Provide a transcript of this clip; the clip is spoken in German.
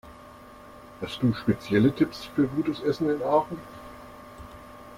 Hast du spezielle Tipps für gutes Essen in Aachen?